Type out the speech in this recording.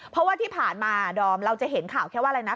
เพราะว่าที่ผ่านมาดอมเราจะเห็นข่าวแค่ว่าอะไรนะ